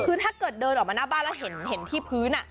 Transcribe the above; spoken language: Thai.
คือถ้าเกิดเดินออกมาหน้าบ้านแล้วเห็นที่พื้น